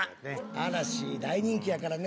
嵐、大人気やからね。